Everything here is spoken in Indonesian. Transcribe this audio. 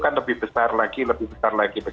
kan lebih besar lagi